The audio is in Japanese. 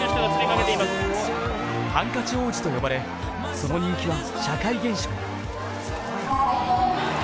ハンカチ王子と呼ばれその人気は社会現象に。